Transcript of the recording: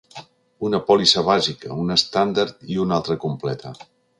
Una pòlissa bàsica, una estàndard i una altra completa.